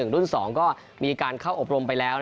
รุ่น๒ก็มีการเข้าอบรมไปแล้ว